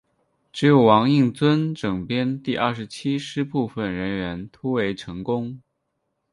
只有王应尊整编第二十七师部分人员突围成功。